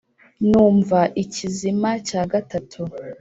numva ikizima cya gatatu